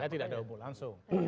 tidak ada hubungan langsung